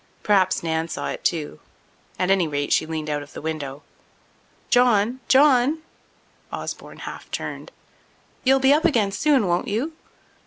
Perhaps Nan saw it too. At any rate, she leaned out of the window. "John! John!" Osborne half turned. "You'll be up again soon, won't you?"